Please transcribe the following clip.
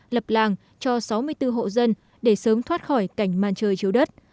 lập làng cho sáu mươi bốn hộ dân để sớm thoát khỏi cảnh man trời chiếu đất